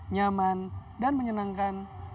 nyaman dan menyenangkan